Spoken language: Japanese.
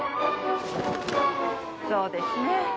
そうですね。